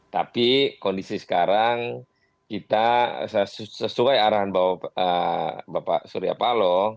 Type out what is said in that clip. tapi kondisi sekarang kita sesuai arahan bapak surya paloh